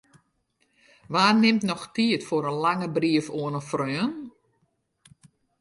Wa nimt noch tiid foar in lange brief oan in freon?